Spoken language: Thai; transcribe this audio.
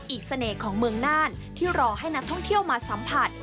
เสน่ห์ของเมืองน่านที่รอให้นักท่องเที่ยวมาสัมผัส